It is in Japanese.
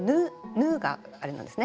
「ぬ」があれなんですね